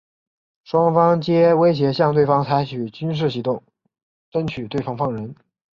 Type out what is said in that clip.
双方皆威胁向对方采取军事行动争取对方放人。